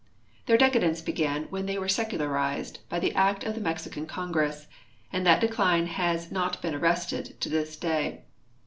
Their decadence began when they were secu larized by the act of the Mexican Congress, and that decline has not been arrested to this day.